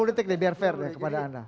tiga puluh detik deh biar fair kepada anda